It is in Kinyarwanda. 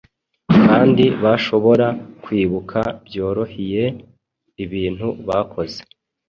kandi bahobora kwibuka byorohye ibintu bakoze